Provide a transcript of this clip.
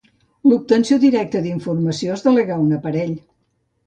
L'obtenció directa d'informació es delega a un aparell.